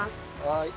はい。